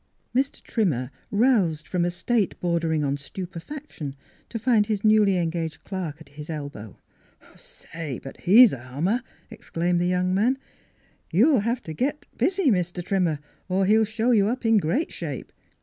Mr. Trimmer roused from a state bor dering on stupefaction to find his newly engaged clerk at his elbow. " Say, but he's a hummer !" exclaimed the young man. " You'll have to get busy, Mr. Trimmer, or he'll show you up in great shape.